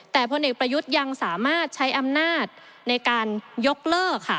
แต่พลเอกประยุทธ์ยังสามารถใช้อำนาจในการยกเลิกค่ะ